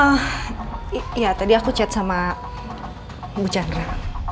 oh iya tadi aku chat sama bu chandra